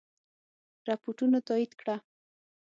رپوټونو تایید کړه.